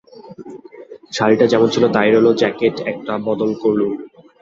শাড়িটা যেমন ছিল তাই রইল, জ্যাকেট একটা বদল করলুম।